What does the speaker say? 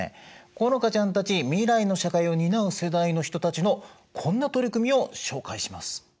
好花ちゃんたち未来の社会を担う世代の人たちのこんな取り組みを紹介します。